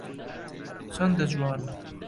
چەندە جوانی